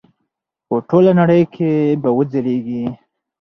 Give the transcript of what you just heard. په ټوله نړۍ کې به وځلیږي.